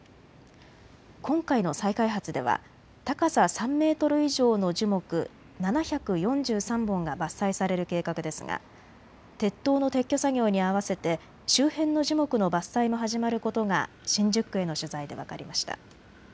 今回の再開発では高さ３メートル以上の樹木７４３本が伐採される計画ですが鉄塔の撤去作業に合わせて周辺の樹木の伐採も始まることが新宿区への取材で分かりました。